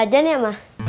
makannya cuma sampah tempe